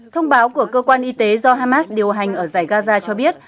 thông báo của cơ quan y tế do hamas điều hành ở giải gaza cho biết